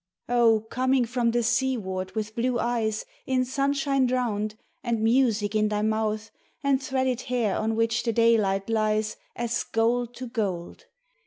Oh, coming from the seaward with blue eyes In sunshine drowned, and music in thy mouth, And threaded hair on which the daylight lies As gold to gold.